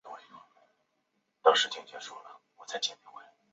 一年后回国担任财政部监察员。